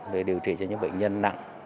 để điều trị cho những bệnh nhân nặng